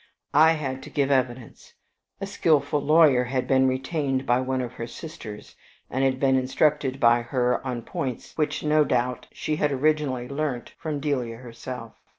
I had to give evidence. A skillful lawyer had been retained by one of her sisters, and had been instructed by her on points which no doubt she had originally learnt from Delia herself.